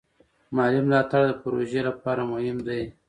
مالي ملاتړ د پروژو لپاره مهم دی.